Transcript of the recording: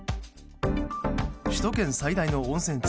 首都圏最大の温泉地・